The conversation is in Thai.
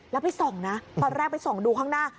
แล้วไปส่องนะตอนแรกไปส่องดูข้างหน้า